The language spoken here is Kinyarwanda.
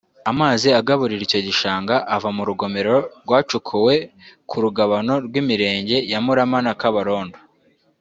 Amazi agaburira icyo gishanga ava mu rugomero rwacukuwe ku rugabano rw’imirenge ya Murama na Kabarondo